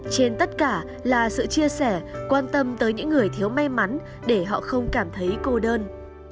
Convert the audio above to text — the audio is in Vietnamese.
trên tất cả là sự chia sẻ quan tâm tới những người thiếu may mắn để họ không cảm thấy cô đơn